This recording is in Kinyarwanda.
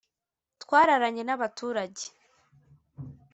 twararanye n’abaturage